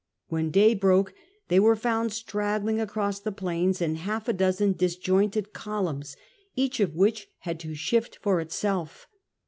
When day broke, they were found straggling across the plains in half a dozen disjointed columns, each of which had to shift for itself.